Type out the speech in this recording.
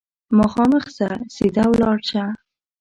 مخامخ ځه ، سیده ولاړ شه !